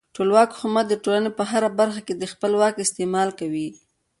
ټولواک حکومت د ټولنې په هره برخه کې د خپل واک استعمال کوي.